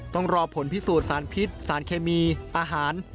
ต้องรอผลพิสูจน์สารพิษสารเคมีอาหาร